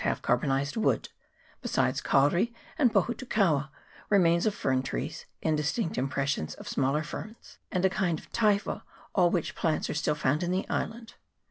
half carbonized wood, besides kauri and pohutu kaua, remains of tree ferns, indistinct impressions of smaller ferns, and a kind of typha all which plants are still found in the island.